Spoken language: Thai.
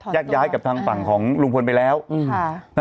แยกย้ายกับทางฝั่งของลุงพลไปแล้ว